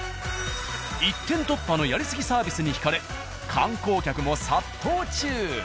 一点突破のやりすぎサービスに引かれ観光客も殺到中！